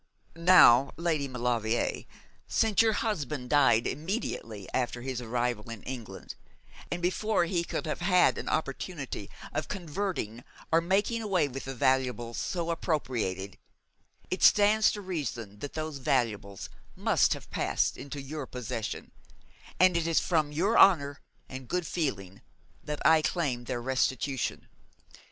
Now, Lady Maulevrier, since your husband died immediately after his arrival in England, and before he could have had any opportunity of converting or making away with the valuables so appropriated, it stands to reason that those valuables must have passed into your possession, and it is from your honour and good feeling that I claim their restitution.